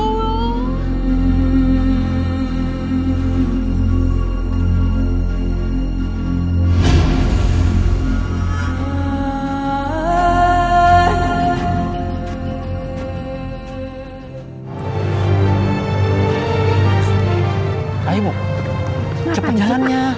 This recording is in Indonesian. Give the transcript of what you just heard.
nah ibu cepet jalannya